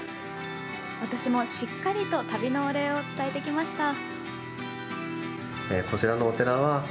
私もしっかりと旅のお礼を伝えてきました。